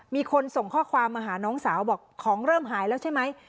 มีคนส่งข้อความมาหาน้องสาวบอกของเริ่มหายแล้วใช่ไหม